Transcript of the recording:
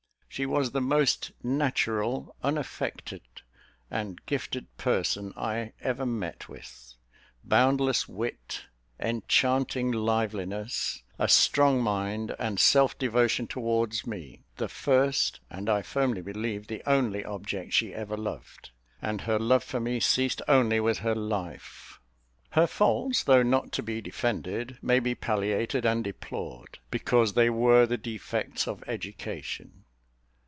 She was the most natural, unaffected and gifted person I ever met with. Boundless wit, enchanting liveliness, a strong mind, and self devotion towards me, the first, and, I firmly believe, the only object she ever loved; and her love for me ceased only with her life. Her faults, though not to be defended, may be palliated and deplored, because they were the defects of education.